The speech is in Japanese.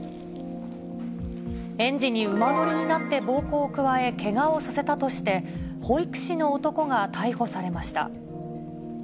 園児に馬乗りになって暴行を加え、けがをさせたとして、保育士の男が逮捕されました。